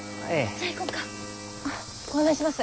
じゃあ行こうか？